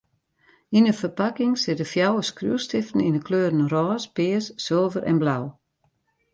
Yn in ferpakking sitte fjouwer skriuwstiften yn 'e kleuren rôs, pears, sulver en blau.